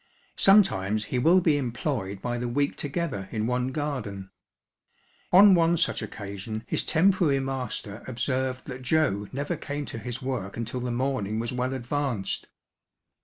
Sometimes he will be employed by the week together in one garden. On one such occasion his temporary master observed that Joe never came to his work until the morning was well advanced.